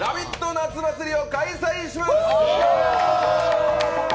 夏祭りを開催します。